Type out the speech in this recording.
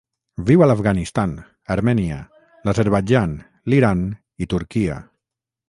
Viu a l'Afganistan, Armènia, l'Azerbaidjan, l'Iran i Turquia.